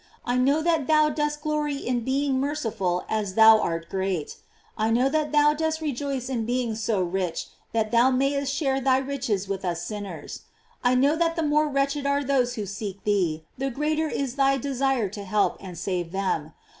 I know that thou dost glory m being merciful as thou art GLORIES OP MART, 26$ great. I know that thou dost rejoice in being so rich, that thou inayest share thy richea with us sinners. I know that the more wretch ed are those who seek thee the greater is thy desire to help and save them.